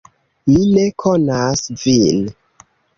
"Mi ne konas vin."